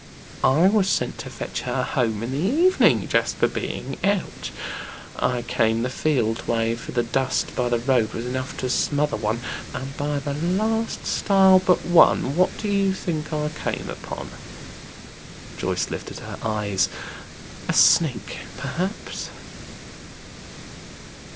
"I was sent to fetch her home in the evening, Jasper being out. I came the field way; for the dust by the road was enough to smother one, and by the last stile but one, what do you think I came upon?" Joyce lifted her eyes. "A snake perhaps."